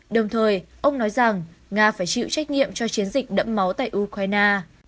đồng thời ông nói rằng nga phải chịu trách nhiệm cho chiến dịch đẫm máu tại ukraine